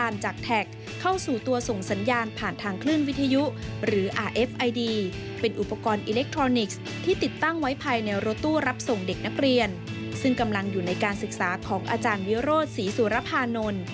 และศึกษาของอาจารย์วิโรศรีสุรพานนท์